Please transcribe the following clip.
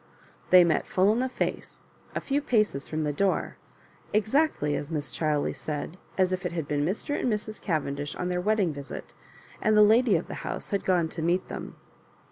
They met full in the face, a few paces fK>m the door— exactly, as Mrs. Chiley said, as if it had been Mr. and Mrs. Cavendish on their wedding visit, and the lady of the house had gone to meet them.